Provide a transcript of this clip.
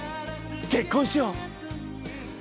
結婚しよう！